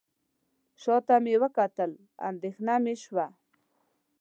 شاته مې وکتل اندېښنه مې شوه.